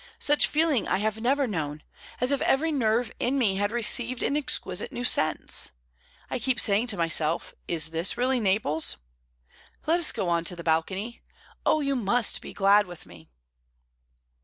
Such feeling I have never known; as if every nerve in me had received an exquisite new sense. I keep saying to myself, 'Is this really Naples?' Let us go on to the balcony. Oh, you must be glad with me!"